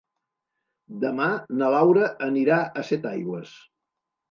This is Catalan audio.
Demà na Laura anirà a Setaigües.